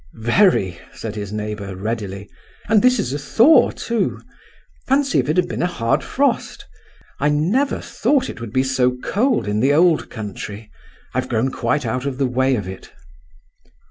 "Very," said his neighbour, readily, "and this is a thaw, too. Fancy if it had been a hard frost! I never thought it would be so cold in the old country. I've grown quite out of the way of it."